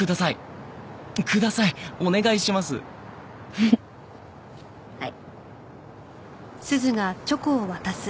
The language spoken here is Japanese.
フフッはい。